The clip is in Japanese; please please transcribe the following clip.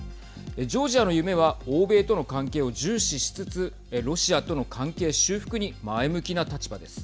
ジョージアの夢は欧米との関係を重視しつつロシアとの関係修復に前向きな立場です。